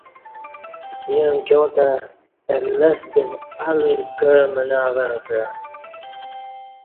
ییں امکیاں تہ اہ لستہ الہ کع منہ اوعں کعہ